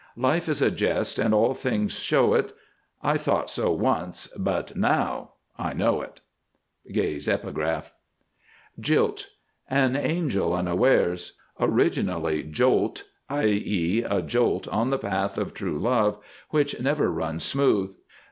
"Life is a jest And all things show it; I thought so once— But now I know it." —Gay's Epitaph. JILT. An angel unawares. Originally Jolt, i. e., a jolt on the path of True Love which never runs smooth.